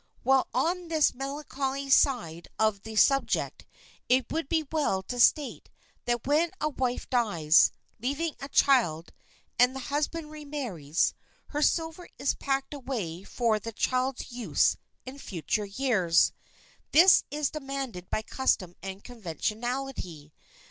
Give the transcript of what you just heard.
While on this melancholy side of the subject it would be well to state that when a wife dies, leaving a child, and the husband remarries, her silver is packed away for the child's use in future years. This is demanded by custom and conventionality.